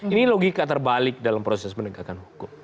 ini logika terbalik dalam proses penegakan hukum